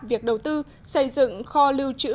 việc đầu tư xây dựng kho lưu trữ